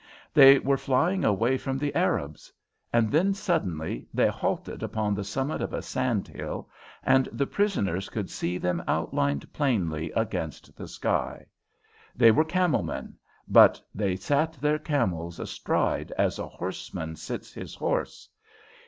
They were flying away from the Arabs. And then, suddenly they halted upon the summit of a sand hill, and the prisoners could see them outlined plainly against the sky. They were camel men, but they sat their camels astride as a horseman sits his horse.